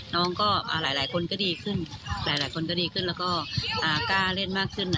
น้องก็หลายคนก็ดีขึ้นหลายคนก็ดีขึ้นแล้วก็กล้าเล่นมากขึ้น